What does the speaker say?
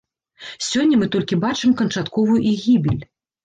Сёння мы толькі бачым канчатковую іх гібель.